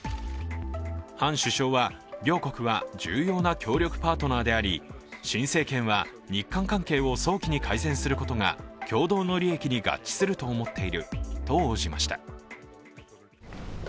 ハン首相は、両国は重要な協力パートナーであり新政権は、日韓関係を早期に改善することが共同の利益に合致すると思っていると応じました。